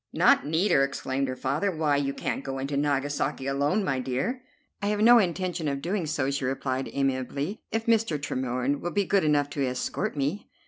"Not need her?" exclaimed her father. "Why, you can't go into Nagasaki alone, my dear." "I have no intention of doing so," she replied amiably, "if Mr. Tremorne will be good enough to escort me."